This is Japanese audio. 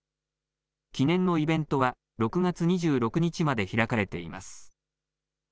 記念のイベントは、６月２６日まで開かれています。